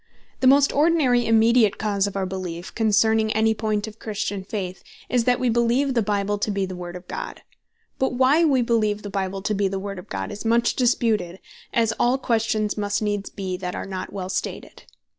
The most ordinary immediate cause of our beleef, concerning any point of Christian Faith, is, that wee beleeve the Bible to be the Word of God. But why wee beleeve the Bible to be the Word of God, is much disputed, as all questions must needs bee, that are not well stated.